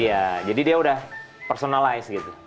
iya jadi dia udah personalized gitu